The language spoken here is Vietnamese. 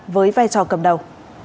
với vai trò cẩn thận